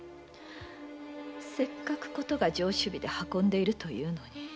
せっかく事が上首尾で運んでいるというのに。